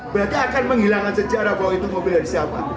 berarti akan menghilangkan sejarah bahwa itu mobil dari siapa